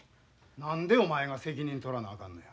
何でお前が責任取らなあかんのや。